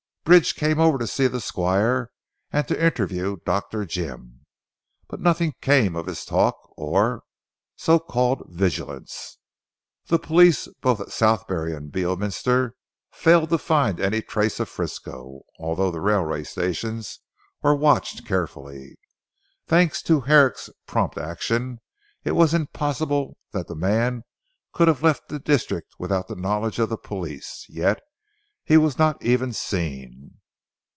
Bridge came over to see the squire and to interview Dr. Jim. But nothing came of his talk or so called vigilance. The police both at Southberry and Beorminster failed to find any trace of Frisco, although the railway stations were watched carefully. Thanks to Herrick's prompt action, it was impossible that the man could have left the district without the knowledge of the police, yet he was not even seen.